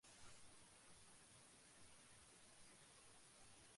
মূলত এধরনের ঘটনাই এক্সপোনেনশিয়াল ডিস্ট্রিবিউশনের মাধ্যমে প্রকাশ করা হয়।